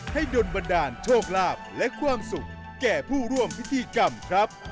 ดนบันดาลโชคลาภและความสุขแก่ผู้ร่วมพิธีกรรมครับ